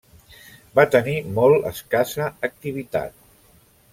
Va tenir molt escassa activitat.